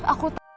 aku tak mau pergi